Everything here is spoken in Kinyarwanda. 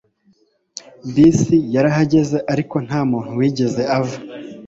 Bisi yarahagaze, ariko nta muntu wigeze ava